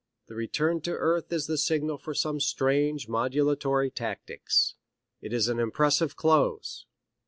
The return to earth is the signal for some strange modulatory tactics. It is an impressive close.